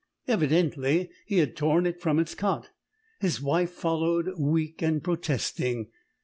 Evidently he had torn it from its cot. His wife followed, weak and protesting.